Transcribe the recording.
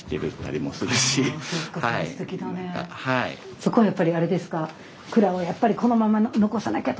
そこはやっぱりあれですか？